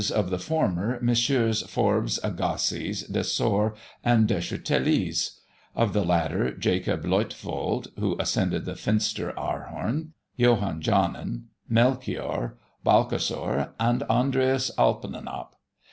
of the former, MM. Forbes, Agassiz, Desor, and Duchatelies; of the latter, Jacob Leutvold (who ascended the Finster Aarhorn,) Johan Jannon, Melchior, Baucholzer, and Andreas Aplanalp.